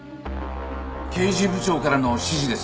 刑事部長からの指示です。